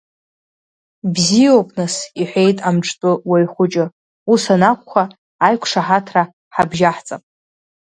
Бзиоуп нас, — иҳәеит Амҿтәы Уаҩхәыҷы, ус анакәха аиқәшаҳаҭра ҳабжьаҳҵап.